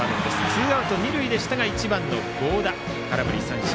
ツーアウト二塁でしたが１番の合田、空振り三振。